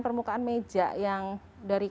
permukaan meja yang dari